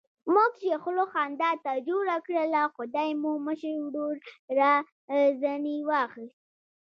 موږ چې خوله خندا ته جوړه کړله، خدای مو مشر ورور را ځنې واخیست.